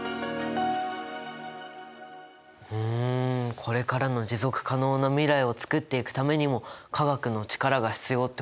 ふんこれからの持続可能な未来をつくっていくためにも化学の力が必要ってことですね。